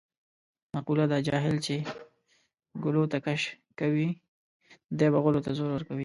مقوله ده: جاهل چې ګلوته کش کوې دی به غولو ته زور کوي.